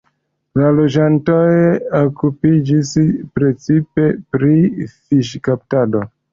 La loĝantoj okupiĝis precipe pri fiŝkaptado.